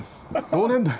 同年代？